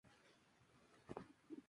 Nuevo triunfo al sprint.